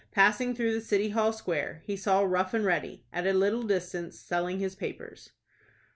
Passing through the City Hall Square, he saw Rough and Ready, at a little distance, selling his papers.